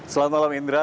selamat malam indra